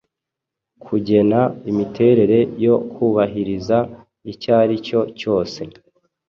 kugena imiterere yo kubahiriza icyaricyo cyose